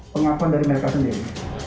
pengakuan dari mereka sendiri